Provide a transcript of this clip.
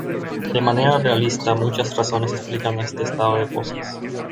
De manera realista, muchas razones explican este estado de cosas.